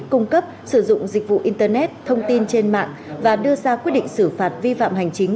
cung cấp sử dụng dịch vụ internet thông tin trên mạng và đưa ra quyết định xử phạt vi phạm hành chính